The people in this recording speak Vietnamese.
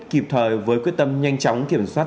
kịp thời với quyết tâm nhanh chóng kiểm soát